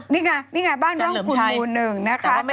นี่ไงนี่ไงบ้านร่องขุ่นมูลหนึ่งนะคะ